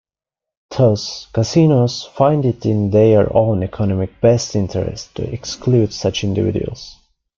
Thus, casinos find it in their own economic best interest to exclude such individuals.